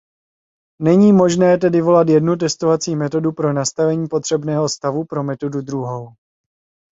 Není možné tedy volat jednu testovací metodu pro nastavení potřebného stavu pro metodu druhou.